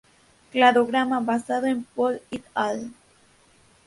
Cladograma basado en Pol "et al.